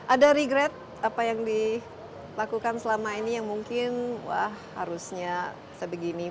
ada regret apa yang dilakukan selama ini yang mungkin wah harusnya sebegini